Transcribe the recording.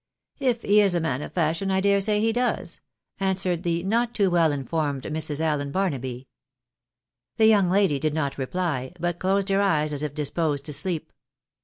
" If he is a man of fashion, I dare say he does," answered the not too well informed Mrs. Allen Barnaby. The young lady did not reply, but closed her eyes as if disposed to sleep.